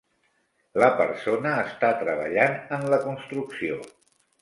La persona està treballant en la construcció.